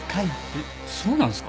えっそうなんすか？